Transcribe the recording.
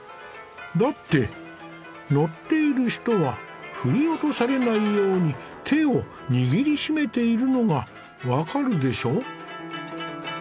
だって乗っている人は振り落とされないように手を握り締めているのが分かるでしょ。